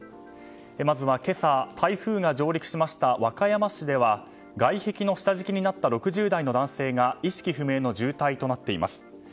まずは今朝、台風が上陸しました和歌山市では外壁の下敷きになった６０代の男性が意識不明の重体となっています。